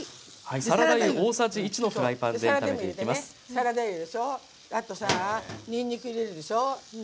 サラダ油でしょ、あとにんにく、入れるでしょ